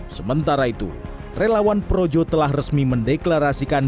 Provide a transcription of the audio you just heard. sementara itu relawan projo telah resmi mendeklarasikan